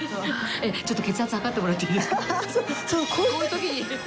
ちょっと血圧測ってもらっていいですか？